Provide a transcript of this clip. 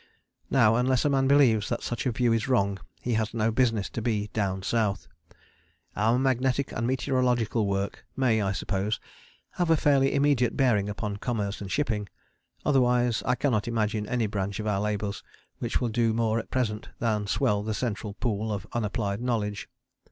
Now unless a man believes that such a view is wrong he has no business to be 'down South.' Our magnetic and meteorological work may, I suppose, have a fairly immediate bearing upon commerce and shipping: otherwise I cannot imagine any branch of our labours which will do more at present than swell the central pool of unapplied knowledge.